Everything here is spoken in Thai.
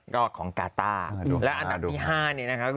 ก็ของกาตาและอันดับที่๕นี่นะคะ